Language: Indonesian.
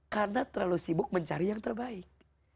karena terlalu sibuk mencari yang terbaik